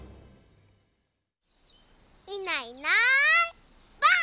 いないいないばあっ！